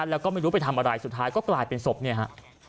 แล้วก็ไม่รู้ไปทำอะไรสุดท้ายก็กลายเป็นศพเนี่ยฮะ